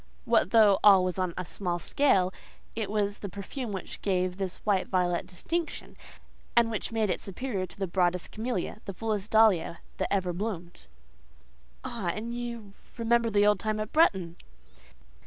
What though all was on a small scale, it was the perfume which gave this white violet distinction, and made it superior to the broadest camelia—the fullest dahlia that ever bloomed. "Ah! and you remember the old time at Bretton?"